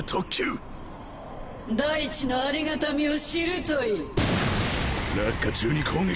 大地のありがたみを知るといい。